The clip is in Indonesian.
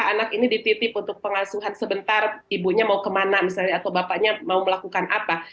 anak ini dititip untuk pengasuhan sebentar ibunya mau kemana misalnya atau bapaknya mau melakukan apa